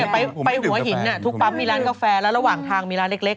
ไปหัวหินทุกปั๊มมีร้านกาแฟแล้วระหว่างทางมีร้านเล็ก